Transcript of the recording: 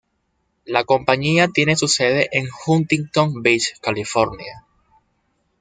La compañía tiene su sede en Huntington Beach, California.